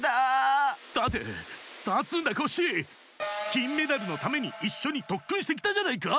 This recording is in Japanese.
きんメダルのためにいっしょにとっくんしてきたじゃないか！